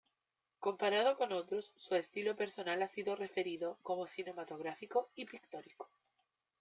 Comparado con otros, su estilo personal ha sido referido como "cinematográfico" y "pictórico".